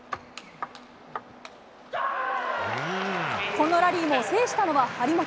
このラリーも制したのは張本。